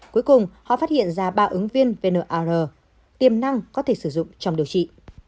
cuối cùng họ phát hiện ra ba ứng viên vnr tiềm năng có thể sử dụng trong điều trị